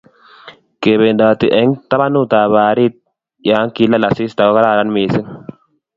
Kebendoti eng' tabanutab baharit ya kilal asista ko kararan mising'